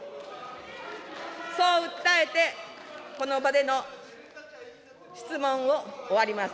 そう訴えて、この場での質問を終わります。